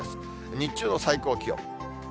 日中の最高気温。